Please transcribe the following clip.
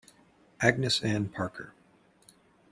Agnes Ann Parker'.